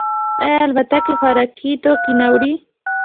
آیا الوتکې خوراکي توکي نه وړي؟